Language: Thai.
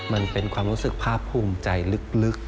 มันเป็นความรู้สึกภาพภูมิใจลึก